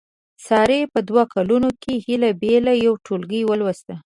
سارې په دوه کالونو کې هیله بیله یو ټولګی ولوست.